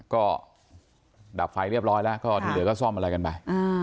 ก็ดับไฟเรียบร้อยแล้วเดี๋ยวก็ซ่อมอะไรกันไป